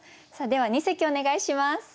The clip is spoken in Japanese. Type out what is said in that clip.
では二席お願いします。